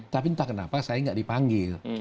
tapi entah kenapa saya nggak dipanggil